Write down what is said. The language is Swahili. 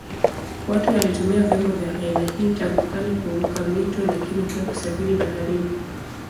Watu walitumia vyombo vya aina hii tangu kale kuvuka mito lakini pia kusafiri baharini.